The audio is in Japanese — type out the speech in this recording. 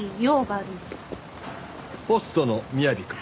ホストの雅くん。